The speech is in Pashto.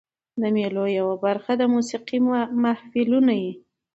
د مېلو یوه برخه د موسیقۍ محفلونه يي.